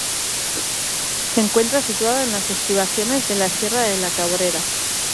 Se encuentra situada en las estribaciones de la sierra de la Cabrera.